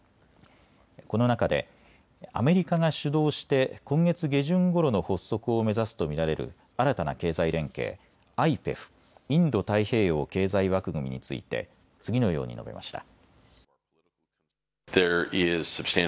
この中でアメリカが主導して今月下旬ごろの発足を目指すと見られる新たな経済連携、ＩＰＥＦ・インド太平洋経済枠組みについて次のように述べました。